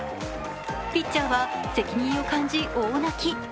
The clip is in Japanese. ピッチャーは責任を感じ大泣き。